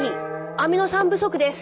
アミノ酸不足です！」。